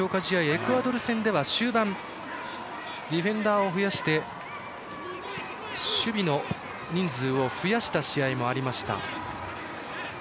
エクアドル戦では終盤ディフェンダーを増やして守備の人数を増やした試合もありました。